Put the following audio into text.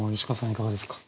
いかがですか？